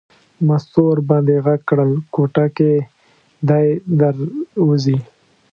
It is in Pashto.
مستو ور باندې غږ کړل کوټه کې دی در وځي.